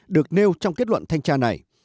được nêu trong kết luận thanh tra này